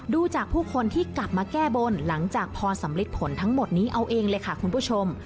ดูจากผู้คนที่กลับมาแก้บนหลังจากพอสำลิดผลทั้งหมดนี้เอาเองเลยค่ะคุณผู้ชม